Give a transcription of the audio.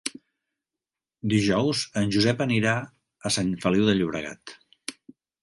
Dijous en Josep anirà a Sant Feliu de Llobregat.